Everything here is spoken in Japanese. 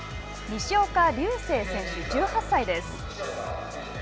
西岡隆成選手、１８歳です。